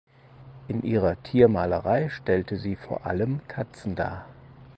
In ihrer Tiermalerei stellte sie vor allem Katzen dar.